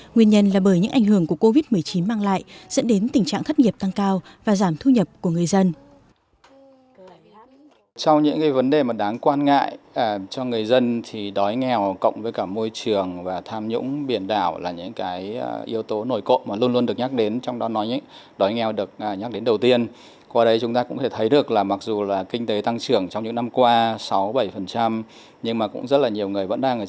nguyên nhân là bởi những ảnh hưởng của covid một mươi chín mang lại dẫn đến tình trạng thất nghiệp tăng cao và giảm thu nhập của người dân